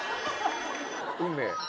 運命。